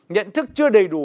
nhận thức chưa đầy đủ